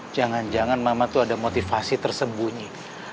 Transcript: jangan jangan mama tuh ada motivasi tersembunyi